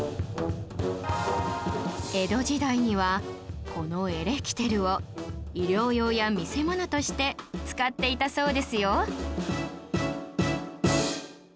江戸時代にはこのエレキテルを医療用や見せ物として使っていたそうですよ